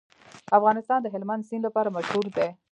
افغانستان د هلمند سیند لپاره مشهور دی.